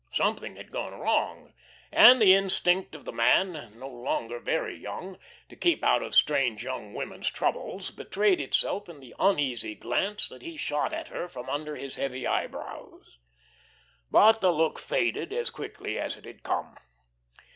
Something had gone wrong, and the instinct of the man, no longer very young, to keep out of strange young women's troubles betrayed itself in the uneasy glance that he shot at her from under his heavy eyebrows. But the look faded as quickly as it had come.